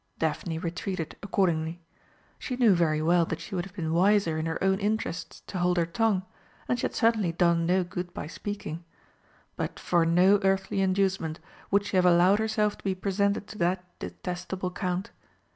Daphne retreated accordingly. She knew very well that she would have been wiser in her own interests to hold her tongue, and she had certainly done no good by speaking. But for no earthly inducement would she have allowed herself to be presented to that detestable Count.